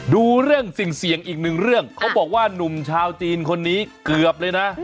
ดูเรื่องสิ่งเสี่ยงอีกหนึ่งเรื่องเขาบอกว่าหนุ่มชาวจีนคนนี้เกือบเลยนะ